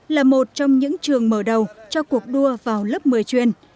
là một trong những trường mở đầu cho cuộc đua vào lớp một mươi chuyên